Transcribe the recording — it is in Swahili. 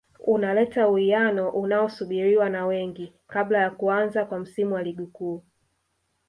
unaleta uwiano unaosubiriwa na wengi kabla ya kuanza kwa msimu wa ligi kuu